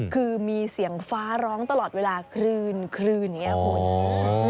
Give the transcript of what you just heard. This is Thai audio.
คือมีเสียงฟ้าร้องตลอดเวลาคลื่นอย่างนี้คุณ